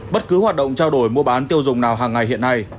bất cứ hoạt động trao đổi mua bán tiêu dùng nào hàng ngày hiện nay